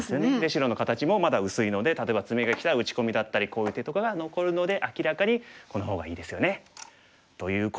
白の形もまだ薄いので例えばツメがきたら打ち込みだったりこういう手とかが残るので明らかにこの方がいいですよね。ということで。